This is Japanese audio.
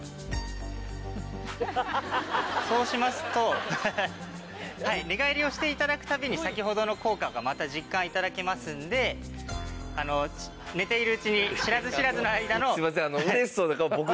そうしますと寝返りをして頂く度に先ほどの効果がまた実感頂けますので寝ているうちに知らず知らずの間の。